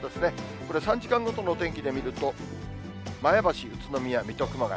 これ、３時間ごとのお天気で見ると、前橋、宇都宮、水戸、熊谷。